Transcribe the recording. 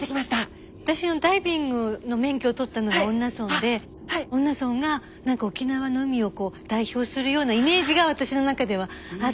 私ダイビングの免許を取ったのが恩納村で恩納村が何か沖縄の海を代表するようなイメージが私の中ではあったんですね。